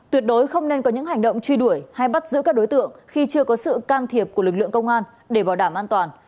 tuyệt đối không nên có những hành động truy đuổi hay bắt giữ các đối tượng khi chưa có sự can thiệp của lực lượng công an để bảo đảm an toàn